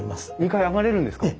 ２階上がれるんですか？